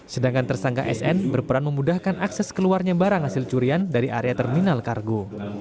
sedangkan tersangka sn berperan memudahkan akses keluarnya barang hasil curian dari area terminal kargo